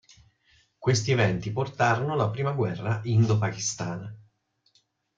Questi eventi portarono alla prima guerra indo-pakistana.